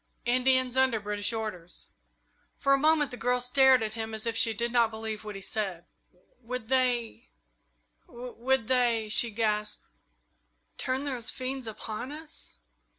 "Indians under British orders." For a moment the girl stared at him as if she did not believe what he said. "Would they would they " she gasped, "turn those fiends upon us?"